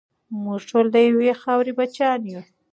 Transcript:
موږ ټول د یوې خاورې بچیان یو.